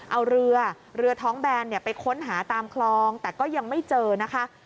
เอาเรือเรือท้องแบนไปค้นหาตามคลองแต่ก็ยังไม่เจอนะคะ